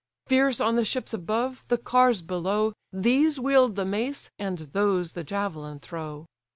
Fierce on the ships above, the cars below, These wield the mace, and those the javelin throw.